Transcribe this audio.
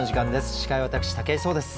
司会は私武井壮です。